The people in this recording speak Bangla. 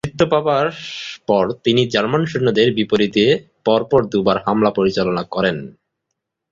নেতৃত্ব পাবার পর তিনি জার্মান সৈন্যদের বিপরীতে পর পর দুইবার হামলা পরিচালনা করেন।